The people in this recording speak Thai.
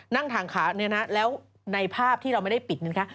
ทางขาเนี่ยนะแล้วในภาพที่เราไม่ได้ปิดเนี่ยคะ